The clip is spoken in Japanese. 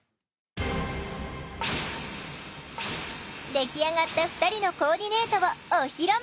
出来上がった２人のコーディネートをお披露目！